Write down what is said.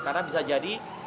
karena bisa jadi